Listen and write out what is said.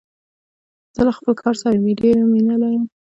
زه له خپل کار سره مینه لرم.